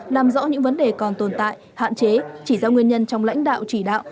làm rõ những vấn đề còn tồn tại hạn chế chỉ ra nguyên nhân trong lãnh đạo chỉ đạo